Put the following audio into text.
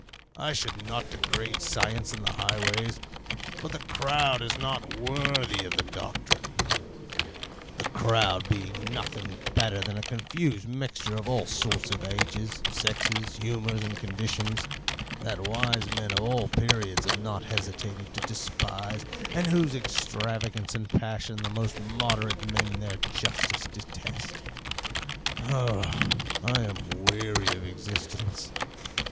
I should not degrade science in the highways, for the crowd is not worthy of the doctrine, the crowd being nothing better than a confused mixture of all sorts of ages, sexes, humours, and conditions, that wise men of all periods have not hesitated to despise, and whose extravagance and passion the most moderate men in their justice detest. Oh, I am weary of existence!